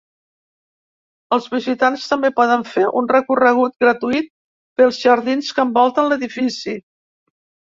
Els visitants també poden fer un recorregut gratuït pels jardins que envolten l'edifici.